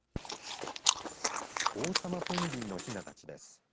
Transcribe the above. オウサマペンギンのひなたちです。